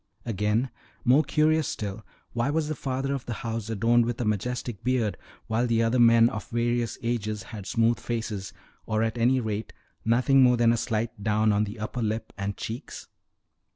Again, more curious still, why was the father of the house adorned with a majestic beard, while the other men, of various ages, had smooth faces, or, at any rate, nothing more than a slight down on the upper lip and cheeks?